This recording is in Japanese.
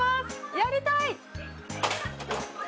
やりたい！